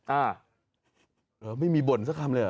อ่าไม่มีบ่นสักคำเลยเห